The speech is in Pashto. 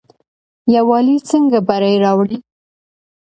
یووالی څنګه بری راوړي؟